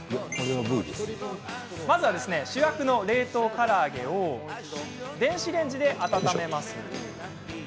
まずは主役の冷凍から揚げを電子レンジで温めます。